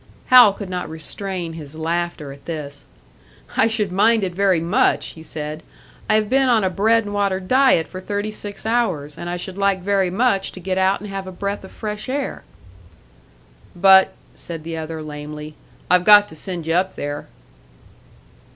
Hal could not restrain his laughter at this. "I should mind it very much," he said. "I have been on a bread and water diet for thirty six hours, and I should like very much to get out and have a breath of fresh air." "But," said the other, lamely, "I've got to send you up there."